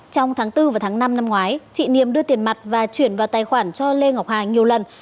trong tháng bốn và tháng năm năm ngoái chị niềm đưa tiền mặt và chuyển vào tài khoản cho lê ngọc hà nhiều lần